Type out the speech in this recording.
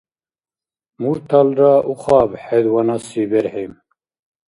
Мурталра ухаб хӀед ванаси берхӀи!